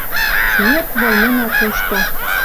Смерть вӹлнӹнӓ кушта.